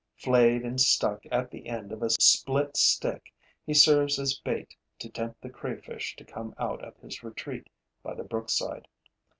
Flayed and stuck at the end of a split stick, he serves as bait to tempt the crayfish to come out of his retreat by the brook side.